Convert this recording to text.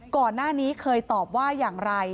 ก่อนหน้านี้เคยตอบว่าอย่างไร